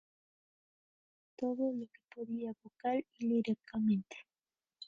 Sólo quería dar todo lo que podía, vocal y líricamente.